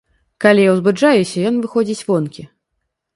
Калі я ўзбуджаюся, ён выходзіць вонкі.